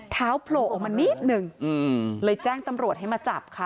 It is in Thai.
โผล่ออกมานิดนึงเลยแจ้งตำรวจให้มาจับค่ะ